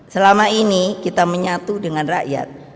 selama ini kita menyatu dengan rakyat